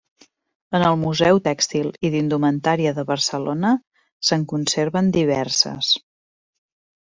En el Museu Tèxtil i d'Indumentària de Barcelona se'n conserven diverses.